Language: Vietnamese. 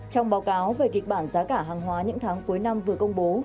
trong báo cáo về kịch bản giá cả hàng hóa những tháng cuối năm vừa công bố